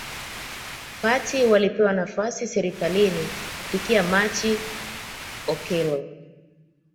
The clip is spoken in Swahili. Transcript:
party walipewa nafasi serikalini Kufikia Machi Okello